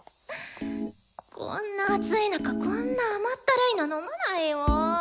こんな暑い中こんな甘ったるいの飲まないよ。